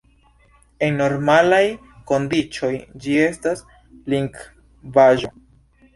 En normalaj kondiĉoj ĝi estas likvaĵo.